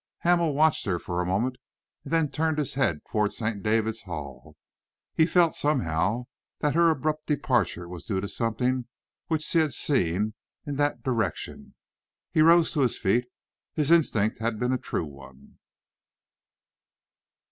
Hamel watched her for a moment and then turned his head towards St. David's Hall. He felt somehow that her abrupt departure was due to something which she had seen in that direction. He rose to his feet. His instinct had been a true one.